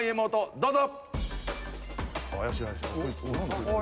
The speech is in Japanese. どうぞ！